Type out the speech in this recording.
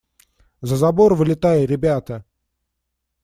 За забор вылетай, ребята!